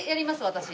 私。